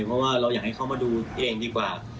เพราะว่าเราอยากให้เขามาดูเองดีกว่า